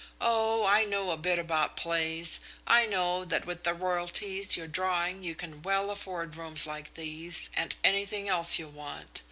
Oh! I know a bit about plays. I know that with the royalties you're drawing you can well afford rooms like these and anything else you want.